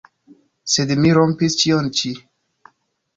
Sed mi rompis ĉion ĉi.